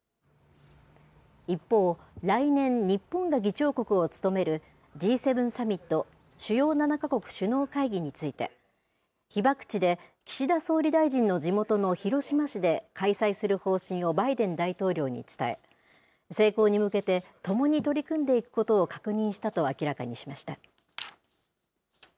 一方、来年、日本が議長国を務めるＧ７サミット・主要７か国首脳会議について、被爆地で、岸田総理大臣の地元の広島市で開催する方針をバイデン大統領に伝え、成功に向けてともに取り組んでいくことを確認したと明らかにしました。